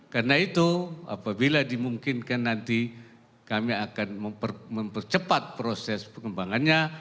karena itu apabila dimungkinkan nanti kami akan mempercepat proses pengembangannya